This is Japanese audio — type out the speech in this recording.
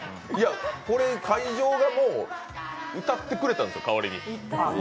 会場がもう歌ってくれたんです、代わりに。